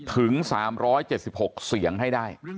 ถึง๓๗๖เสียงให้ได้